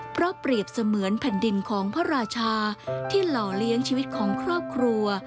เพราะเปรียบเสมือนแผ่นดินของพระราชาที่หล่อเลี้ยงชีวิตของครอบครัว